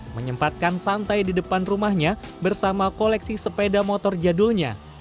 menyempatkan santai di depan rumahnya bersama koleksi sepeda motor jadulnya